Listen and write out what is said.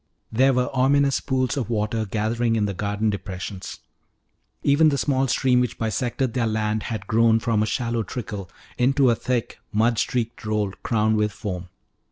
There were ominous pools of water gathering in the garden depressions. Even the small stream which bisected their land had grown from a shallow trickle into a thick, mud streaked roll crowned with foam.